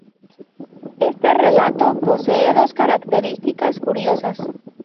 Este relato posee dos características curiosas.